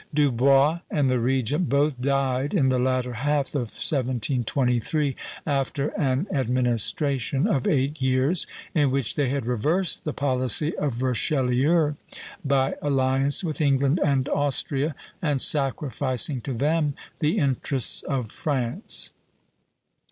Dubois and the regent both died in the latter half of 1723, after an administration of eight years, in which they had reversed the policy of Richelieu by alliance with England and Austria and sacrificing to them the interests of France.